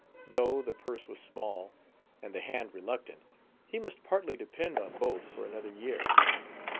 Though the purse was small and the hand reluctant, he must partly depend on both for another year.